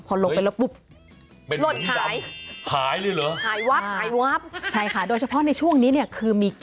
พอลงไปแล้วปุ๊บ